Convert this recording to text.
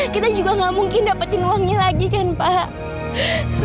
kita juga gak mungkin dapetin uangnya lagi kan pak